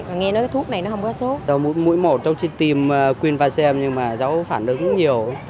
mỗi mũi một cháu chỉ tiêm quynh vasem nhưng mà cháu phản ứng nhiều